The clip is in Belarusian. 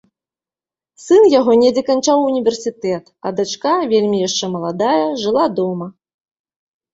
Сын яго недзе канчаў універсітэт, а дачка, вельмі яшчэ маладая, жыла дома.